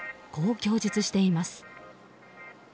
こう供述しています。